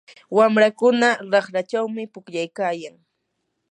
wamrakuna raqrachawmi pukllaykayan.